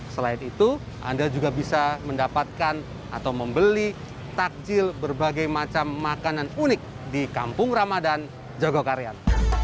selain itu anda juga bisa mendapatkan atau membeli takjil berbagai macam makanan unik di kampung ramadan jogokarian